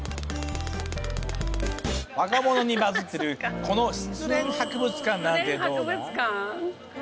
若者にバズってるこの失恋博物館なんてどうだ？